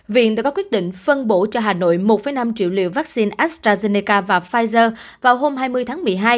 viện đã có quyết định phân bổ cho hà nội một năm triệu liều vaccine astrazeneca và pfizer vào hôm hai mươi tháng một mươi hai